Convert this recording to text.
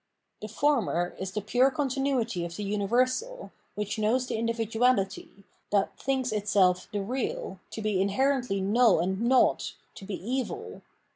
The former is the pure continuity of the universal, which knows the individuality, that thinks itself the real, to be inherently null and naught, to be evil.